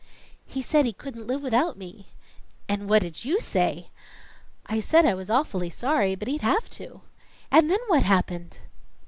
"He said he couldn't live without me." "And what did you say?" "I said I was awfully sorry, but he'd have to." "And then what happened?"